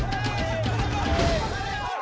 jagat semesta pak